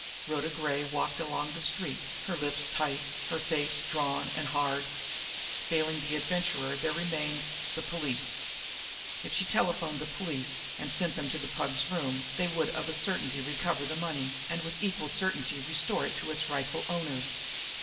Rhoda Gray walked on along the street, her lips tight, her face drawn and hard. Failing the Adventurer, there remained the police. If she telephoned the police and sent them to the Pug's room, they would of a certainty recover the money, and with equal certainty restore it to its rightful owners.